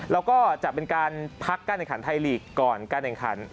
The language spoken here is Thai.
แล้วก็จะเป็นการพักการแข่งขันไทยลีกก่อนการแข่งขัน